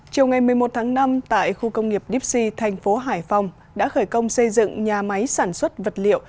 chiều ngày một mươi một tháng năm tại khu công nghiệp dipsy thành phố hải phòng đã khởi công xây dựng nhà máy sản xuất vật liệu